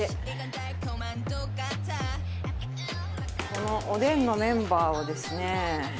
このおでんのメンバーをですね